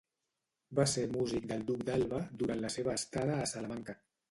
Va ser músic del duc d'Alba durant la seva estada a Salamanca.